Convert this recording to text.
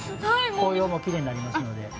紅葉もきれいになりますので。